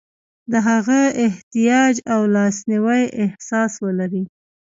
د هغه احتیاج او لاسنیوي احساس ولري.